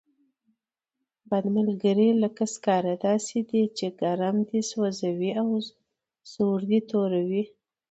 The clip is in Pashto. بد ملګری لکه سکاره داسې دی، چې ګرم دې سوځوي او سوړ دې توروي.